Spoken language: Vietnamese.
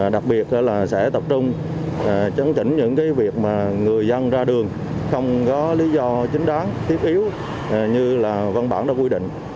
đặc biệt là sẽ tập trung chấn chỉnh những việc mà người dân ra đường không có lý do chính đáng tiếc yếu như là văn bản đã quy định